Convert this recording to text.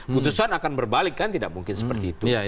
putusan akan berbalik kan tidak mungkin seperti itu